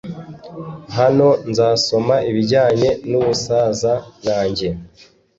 hano nzasoma ibijyanye n'ubusaza bwanjye